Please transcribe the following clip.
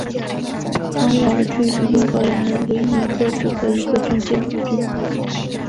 康沃尔郡是英格兰唯一一个只和一个郡接壤的郡。